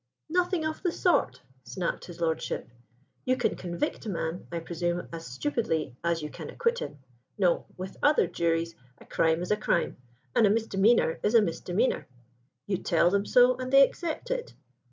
"Nothing of the sort," snapped his lordship. "You can convict a man, I presume, as stupidly as you can acquit him. No: with other juries a crime is a crime, and a misdemeanour is a misdemeanour. You tell them so and they accept it.